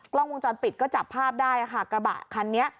กล้องวงจรปิดก็จับภาพได้ค่ะกระบะคันนี้